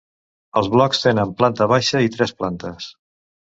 Els blocs tenen planta baixa i tres plantes.